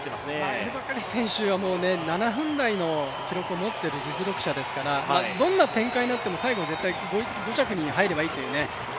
エルバカリ選手は７分台の記録を持っている実力者ですからどんな展開になっても最後絶対に５着以内に入ればいいというね。